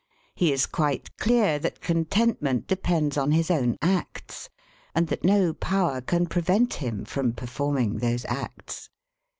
He is quite clear that contentment depends on his own acts, and that no power can prevent him from performing those acts.